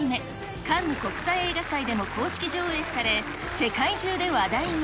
カンヌ国際映画祭でも公式上映され、世界中で話題に。